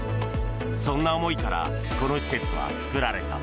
そんな思いからこの施設は作られた。